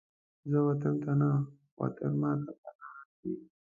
زه وطن ته نه، وطن ماته پناه راکوي